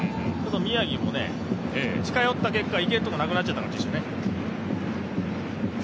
宮城も近寄った結果、行けるところなくなっちゃった感じですね。